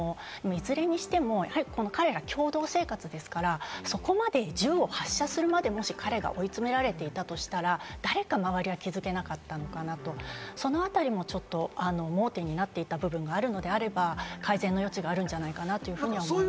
いずれにしても、彼ら共同生活ですから、銃を発射するまで彼が追い詰められていたとしたら誰か周りは気付けなかったのか、そのあたりもちょっと盲点になっていた部分があるのであれば改善の余地があるんじゃないかなと思いました。